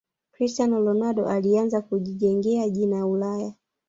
cristiano ronaldo alianza kujijengea jina ulaya